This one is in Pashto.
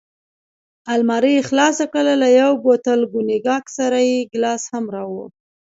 المارۍ یې خلاصه کړل، له یو بوتل کونیګاک سره یې ګیلاس هم راوړ.